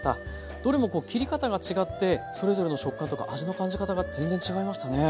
どれもこう切り方が違ってそれぞれの食感とか味の感じ方が全然違いましたね。